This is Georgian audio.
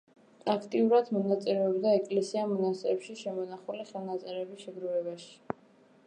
აქტიურად მონაწილეობდა ეკლესია-მონასტრებში შემონახული ხელნაწერების შეგროვებაში.